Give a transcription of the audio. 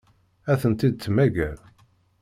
Ad tent-id-temmager?